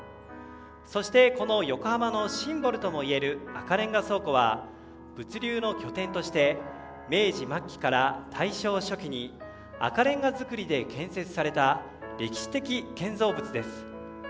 そしてこの横浜のシンボルとも言える赤レンガ倉庫は物流の拠点として明治末期から大正初期に赤レンガ造りで建設された歴史的建造物です。